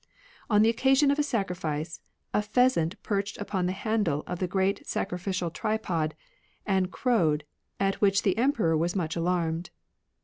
On the occasion of a sacrifice, a pheasant perched upon the handle of the great sacrificial tripod, and crowed, at which the Emperor was much alarmed.